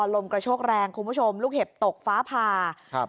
ลมกระโชกแรงคุณผู้ชมลูกเห็บตกฟ้าผ่าครับ